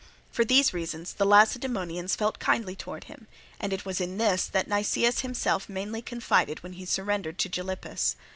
For these reasons the Lacedaemonians felt kindly towards him; and it was in this that Nicias himself mainly confided when he surrendered to Gylippus.